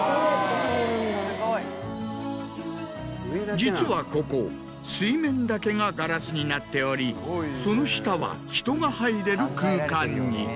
実はここ水面だけがガラスになっておりその下は人が入れる空間に。